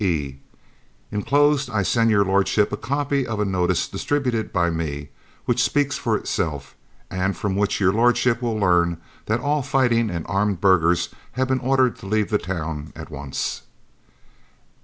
"(e) Enclosed I send Your Lordship a copy of a notice distributed by me, which speaks for itself, and from which Your Lordship will learn that all fighting and armed burghers have been ordered to leave the town at once.